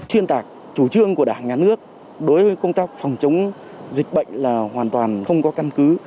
xuyên tạc chủ trương của đảng nhà nước đối với công tác phòng chống dịch bệnh là hoàn toàn không có căn cứ